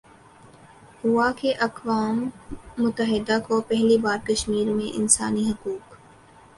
ہوا کہ اقوام متحدہ کو پہلی بار کشمیرمیں انسانی حقوق